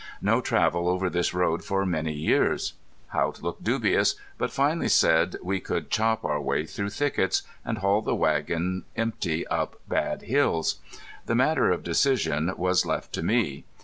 No travel over this road for many years! Haught looked dubious, but finally said we could chop our way through thickets, and haul the wagon empty up bad hills. The matter of decision was left to me.